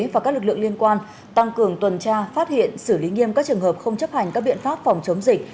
và các lực lượng liên quan tăng cường tuần tra phát hiện xử lý nghiêm các trường hợp không chấp hành các biện pháp phòng chống dịch